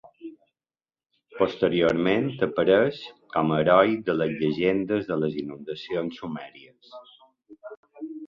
Posteriorment apareix com a heroi de les llegendes de les inundacions sumèries.